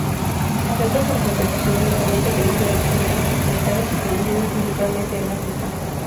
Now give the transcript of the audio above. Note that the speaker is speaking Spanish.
Acepta para competición únicamente películas de cineastas africanos y producidas principalmente en África.